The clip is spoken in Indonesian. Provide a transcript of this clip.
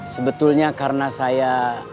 sebetulnya karena saya